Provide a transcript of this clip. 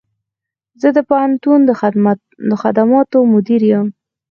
زه د پوهنتون د خدماتو مدیر یم